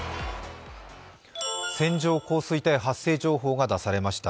線状降水帯発生情報が出されました。